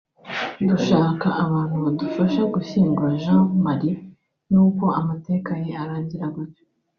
dushaka abantu badufasha gushyingura Jean Marie nuko amateka ye arangira gutyo